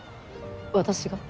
私が？